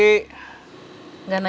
dan selamat malam